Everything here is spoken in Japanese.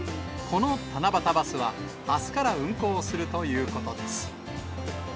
この七夕バスは、あすから運行するということです。